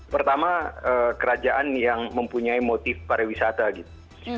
pertama kerajaan yang mempunyai motif pariwisata gitu